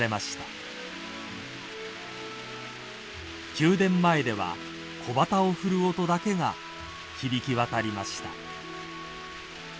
［宮殿前では小旗を振る音だけが響き渡りました］